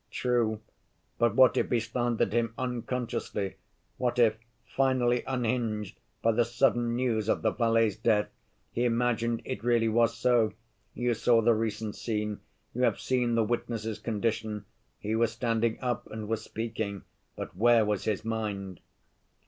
True, but what if he slandered him unconsciously? What if, finally unhinged by the sudden news of the valet's death, he imagined it really was so? You saw the recent scene: you have seen the witness's condition. He was standing up and was speaking, but where was his mind?